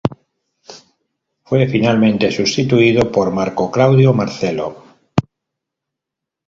Fue finalmente sustituido por Marco Claudio Marcelo.